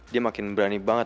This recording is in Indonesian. dia makin berani banget